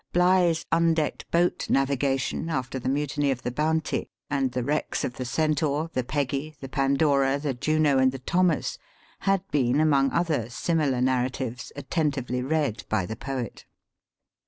BLIGH'S undecked boat navigation, after the mutiny of the Bounty ; and the wrecks of the Centaur, the Peggy, the Pandora, the Juno, and the Thomas ; had been, among other similar narratives, atten tively read by the poet.